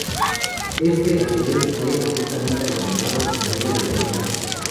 Éste, a su vez, fue abruptamente abandonado en medio de una frase.